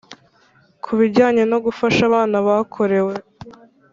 Ku bijyanye no gufasha abana bakorewe